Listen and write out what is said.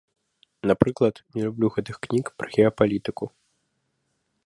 Напрыклад, не люблю гэтых кніг пра геапалітыку.